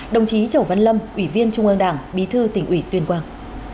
đồng chí chẩu văn lâm ủy viên trung ương đảng bí thư tỉnh ủy tuyên quang